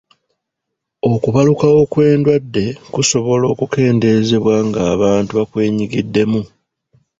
Okubalukawo kw'endwadde kusobola okukeendezebwa ng'abantu bakwenyigiddemu.